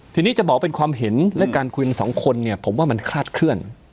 ทีนี้จะบอกเป็นความเห็นและการคุยกันสองคนเนี่ยผมว่ามันคลาดเคลื่อน